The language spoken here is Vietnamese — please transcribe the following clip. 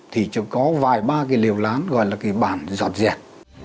thì chỉ có vài ba cái liều lán gọi là cái bàn giọt dẹt